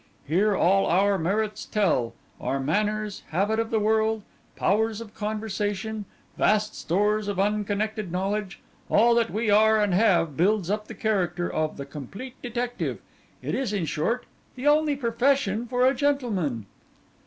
Here all our merits tell; our manners, habit of the world, powers of conversation, vast stores of unconnected knowledge, all that we are and have builds up the character of the complete detective. It is, in short, the only profession for a gentleman.